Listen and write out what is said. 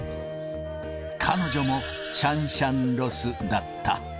彼女もシャンシャンロスだった。